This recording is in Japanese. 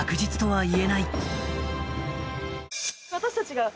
はい。